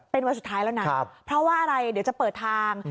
เป็นวันสุดท้ายแล้วนะเพราะว่าอะไรเดี๋ยวจะเปิดทาง